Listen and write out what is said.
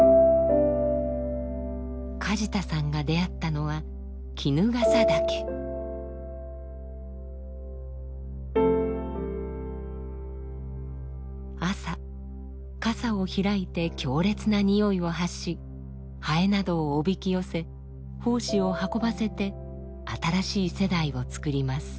梶田さんが出会ったのは朝かさを開いて強烈なにおいを発しハエなどをおびき寄せ胞子を運ばせて新しい世代を作ります。